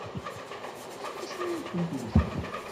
S wacu ay kent-wtent?